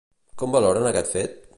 Com valoren aquest fet?